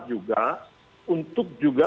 juga untuk juga